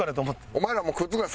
お前らもうくっつくな。